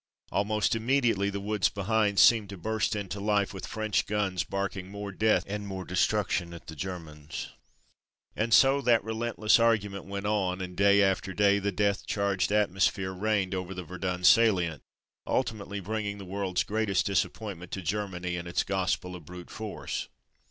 Almost immediately the woods behind seemed to burst into life with French guns, barking 198 From Mud to Mufti more death and more destruction at the Germans. And so that relentless argument went on, and day after day the death charged at mosphere reigned over the Verdun salient, ultimately bringing the world's greatest disappointment to Germany and its gospel of brute force.